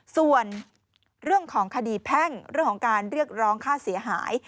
ส่วนเรื่องของคดีแพ่งเรื่องของการเรียกร้องค่าเสียหาย